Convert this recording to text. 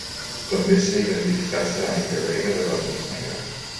També s'ha identificat ceràmica grega de vernís negre.